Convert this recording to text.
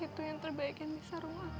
itu yang terbaik yang bisa rum lakuin